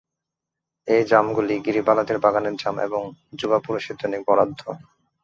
এই জামগুলি গিরিবালাদের বাগানের জাম এবং যুবাপুরুষের দৈনিক বরাদ্দ।